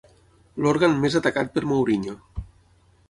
L'òrgan més atacat per Mourinho.